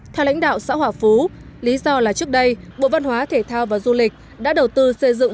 theo lãnh đạo xã hòa phú lý do là trước đây bộ văn hóa thể thao và du lịch đã đầu tư xây dựng